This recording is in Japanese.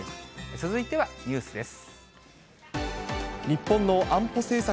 続いてはニュースです。